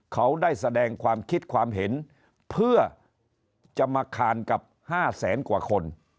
เขาได้แสดงความคิดความเห็นเพื่อจะมาคานกับ๕แสนกว่าคน